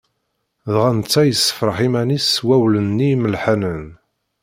Dɣa netta yessefraḥ iman-is s wawlen-nni imelḥanen.